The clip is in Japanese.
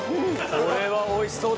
これはおいしそうですね。